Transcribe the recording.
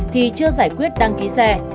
thì chưa giải quyết đăng ký xe